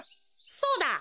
そうだ。